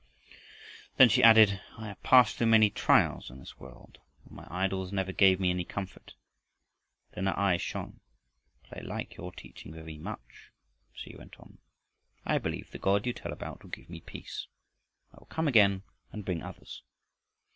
Then she added, "I have passed through many trials in this world, and my idols never gave me any comfort." Then her eyes shone, "But I like your teaching very much," she went on. "I believe the God you tell about will give me peace.. I will come again, and bring others."